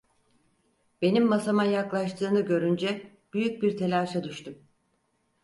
Benim masama yaklaştığını görünce büyük bir telaşa düştüm.